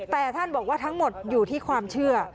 แต่ท่านบอกว่าทั้งหมดอยู่ที่ความเชื่อ